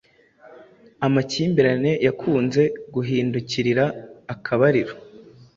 amakimbirane yakunze guhindukirira akabariro